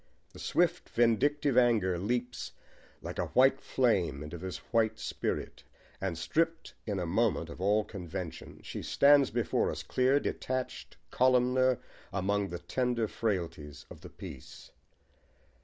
The swift, vindictive anger leaps, like a white flame, into this white spirit, and, stripped in a moment of all convention, she stands before us clear, detached, columnar, among the tender frailties of the piece.